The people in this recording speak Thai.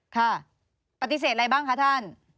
ค่ะปฏิเสธอะไรบ้างคะท่าน